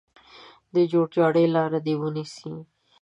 د جوړجاړي لاره دې ونیسي.